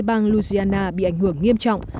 bang louisiana bị ảnh hưởng nghiêm trọng